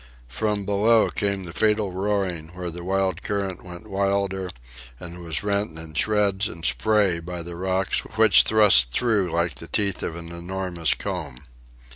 From below came the fatal roaring where the wild current went wilder and was rent in shreds and spray by the rocks which thrust through like the teeth of an enormous comb.